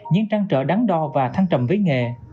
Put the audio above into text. những trang trợ đắn đo và thăng trầm với nghề